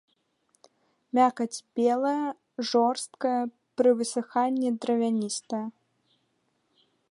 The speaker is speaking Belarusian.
Мякаць белая, жорсткая, пры высыханні дравяністая.